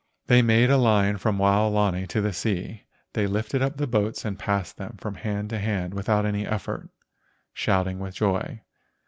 They made a line from Waolani to the sea. They lifted up the boats and passed them from hand to hand without any effort, shouting with joy.